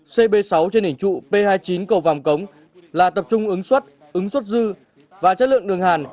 cb sáu trên đỉnh trụ p hai mươi chín cầu vàm cống là tập trung ứng xuất ứng xuất dư và chất lượng đường hàn